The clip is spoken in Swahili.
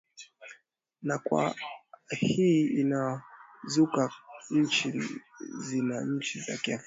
na kwa hii inazikuta nchi zina nchi za kiafrika